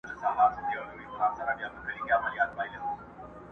کم اصل ګل که بویوم ډک دي باغونه!